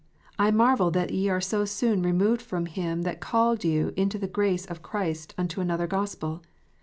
" I marvel that ye are so soon removed from him that called you into the grace of Christ unto another Gospel."